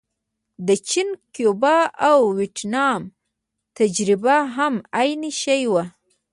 د چین، کیوبا او ویتنام تجربه هم عین شی وه.